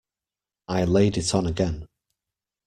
I laid it on again.